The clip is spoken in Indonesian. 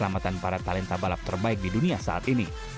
dan juga untuk menjaga keselamatan para talenta balap terbaik di dunia saat ini